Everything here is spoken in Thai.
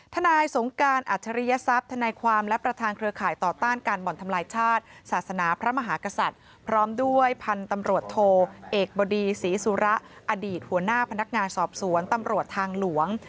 นายสงการอัจฉริยศัพย์ธนายความและประธานเครือข่ายต่อต้านการบ่อนทำลายชาติศาสนาพระมหากษัตริย์พร้อมด้วยพันธุ์ตำรวจโทเอกบดีศรีสุระอดีตหัวหน้าพนักงานสอบสวนตำรวจทางหลวง